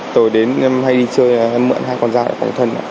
tôi hay đi chơi em mượn hai con dao để phòng thân